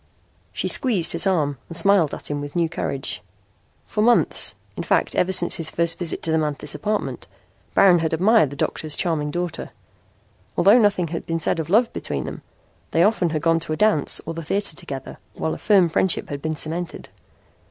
She squeezed his arm and smiled at him with new courage. For months, in fact ever since his first visit to the Manthis apartment, Baron had admired the doctor's charming daughter. Although nothing had been said of love between them they often had gone to a dance or the theater together, while a firm friendship had been cemented.